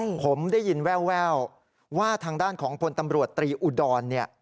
ผมได้ยินแววแววว่าทางด้านของพลตำรวจตรีอุดรเนี่ย